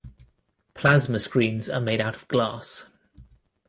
Plasma screens are made out of glass.